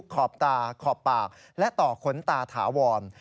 ขอบตาขอบปากและต่อขนตาถาวร